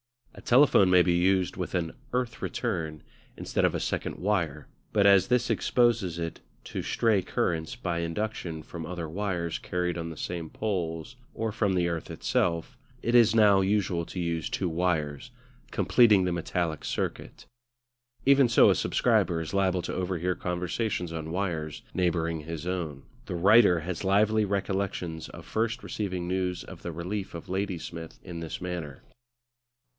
A telephone may be used with an "earth return" instead of a second wire; but as this exposes it to stray currents by induction from other wires carried on the same poles or from the earth itself, it is now usual to use two wires, completing the metallic circuit. Even so a subscriber is liable to overhear conversations on wires neighbouring his own; the writer has lively recollections of first receiving news of the relief of Ladysmith in this manner.